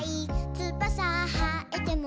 「つばさはえても」